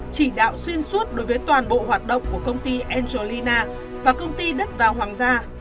chỉ đạo xuyên suốt đối với toàn bộ hoạt động của công ty angelina và công ty đất vàng hoàng gia